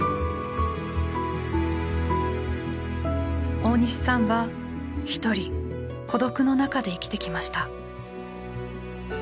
大西さんはひとり孤独の中で生きてきました。